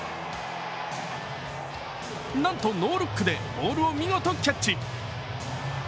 なんとノールックでボールを見事キャッチ。